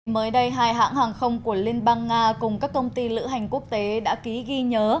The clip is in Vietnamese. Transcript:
mới đây hai hãng hàng không của liên bang nga cùng các công ty lữ hành quốc tế đã ký ghi nhớ